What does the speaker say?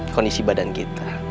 kondisi badan kita